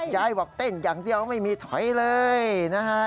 ยายบอกเต้นอย่างเดียวไม่มีถอยเลยนะฮะ